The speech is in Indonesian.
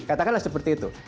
katakanlah seperti itu